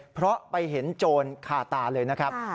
เพราะไปเห็นโจรคาตาเลยนะครับ